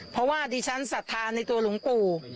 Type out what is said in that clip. เพราะว่าดิฉันศรัทธาในตัวหลวงปู่